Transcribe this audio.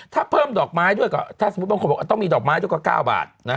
ถ้าเพิ่มดอกไม้ด้วยก็ถ้าสมมุติบางคนบอกต้องมีดอกไม้ด้วยก็๙บาท